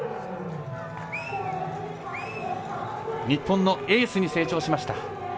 日本のエースに成長しました。